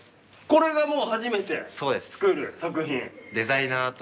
これがもう初めて作る作品？